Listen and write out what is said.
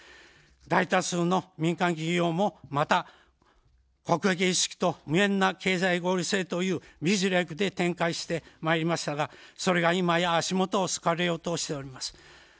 大多数の民間企業もまた、国益意識と無縁な経済合理性という美辞麗句で展開してまいりましたが、それが今や足元をすくわれようとしております。